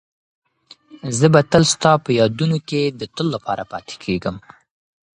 زه به تل ستا په یادونو کې د تل لپاره پاتې کېږم.